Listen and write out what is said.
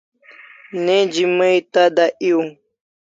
Neji mai tada ew